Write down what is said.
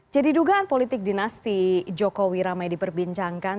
jadi dugaan politik dinasti jokowi ramai diperbincangkan